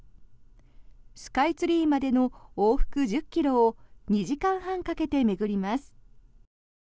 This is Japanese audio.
スカイツリーまでの往復１０ｋｍを２時間半かけて巡ります。